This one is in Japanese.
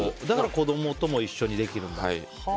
だから子供とも一緒にできるんだ。